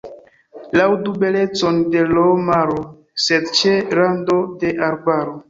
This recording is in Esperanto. Laŭdu belecon de l' maro, sed ĉe rando de arbaro.